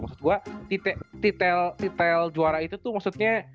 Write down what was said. maksud gua titel juara itu tuh maksudnya